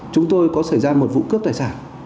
chúng tôi có xảy ra một vụ cướp tài sản